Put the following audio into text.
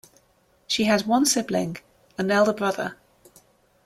She has one sibling, an elder brother.